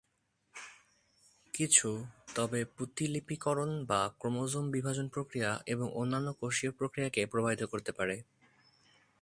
কিছু, তবে, প্রতিলিপিকরণ বা ক্রোমোজোম বিভাজন প্রক্রিয়া এবং অন্যান্য কোষীয় প্রক্রিয়াকে প্রভাবিত করতে পারে।